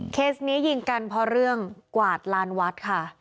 นี้ยิงกันเพราะเรื่องกวาดลานวัดค่ะ